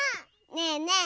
ねえねえ